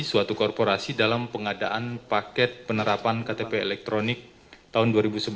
suatu korporasi dalam pengadaan paket penerapan ktp elektronik tahun dua ribu sebelas dua ribu tiga belas